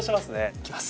いきます。